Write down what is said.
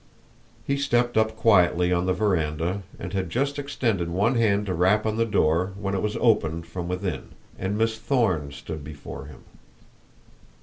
He stepped up quietly on the veranda and had just extended one hand to rap on the door when it was opened from within, and Miss Thorne stood before him.